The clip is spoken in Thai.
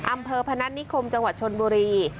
อำเภอพนัฐนิคมจังหวัดชนบุรี